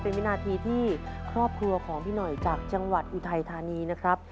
เป็นวินาทีที่ครอบครัวของพี่หน่อยจากจังหวัดอุทัยธานีนะครับ